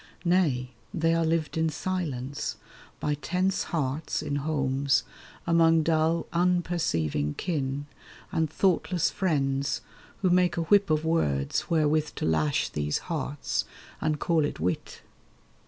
Nay, they are lived in silence, by tense hearts In homes, among dull unperceiving kin, And thoughtless friends, who make a whip of words Wherewith to lash these hearts, and call it wit.